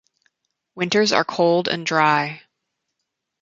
Winters are cold and dry.